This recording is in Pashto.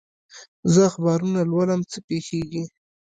زه اخبارونه لولم، څه پېښېږي؟